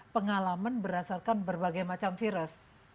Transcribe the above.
pengalaman berdasarkan berbagai macam virus